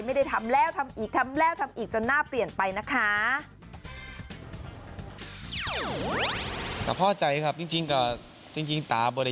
ไม่ได้ทำแล้วทำอีกทำแล้วทำอีกจนหน้าเปลี่ยนไปนะคะ